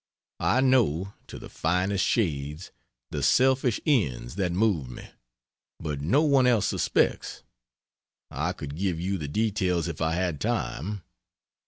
I know to the finest, shades the selfish ends that moved me; but no one else suspects. I could give you the details if I had time.